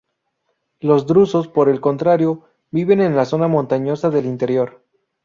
Los drusos por el contrario, viven en la zona montañosa del interior.